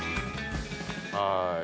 はい。